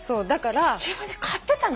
自分で買ってたの？